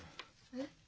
えっ？